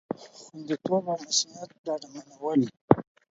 خوندیتوب او مصئونیت ډاډمنول